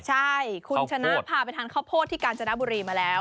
ใช่คุณชนะพาไปทานข้าวโพดที่กาญจนบุรีมาแล้ว